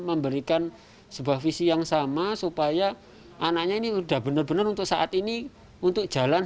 memberikan sebuah visi yang sama supaya anaknya ini udah benar benar untuk saat ini untuk jalan